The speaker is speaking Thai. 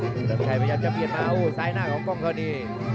เฉลิมชัยพยายามจะเปลี่ยนมาโอ้โหสายหน้าของกรรมทรณี